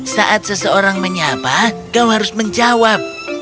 saat seseorang menyapa kau harus menjawab